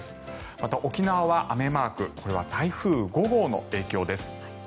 また、沖縄は雨マークこれは台風５号の影響です。